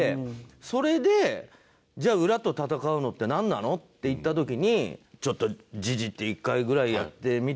それでじゃあ裏と戦うのってなんなの？って言った時にちょっと時事って１回ぐらいやってみてもらえませんか？